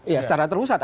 ya secara terusat